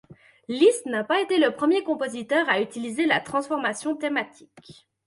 Liszt n'a pas été le premier compositeur à utiliser la transformation thématique.